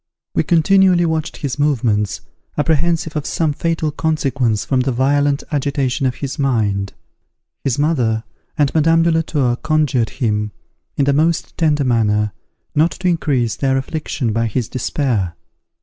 We continually watched his movements, apprehensive of some fatal consequence from the violent agitation of his mind. His mother and Madame de la Tour conjured him, in the most tender manner, not to increase their affliction by his despair.